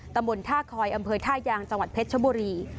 ตำบลท่าคอยอำเภอท่ายางจังหวัดเพชรชบุรี